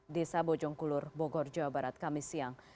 desa bojongkulur bogor jawa barat kami siang